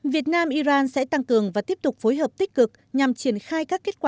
việt nam iran sẽ tăng cường và tiếp tục phối hợp tích cực nhằm triển khai các kết quả